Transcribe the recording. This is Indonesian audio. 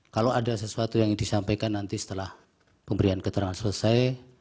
kalau ada sesuatu yang disampaikan nanti setelah pemberian keterangan selesai